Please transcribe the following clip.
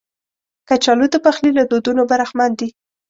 کچالو د پخلي له دودونو برخمن دي